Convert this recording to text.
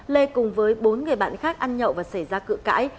lê cùng với bốn người bạn khác ăn nhậu và xảy ra cự cãi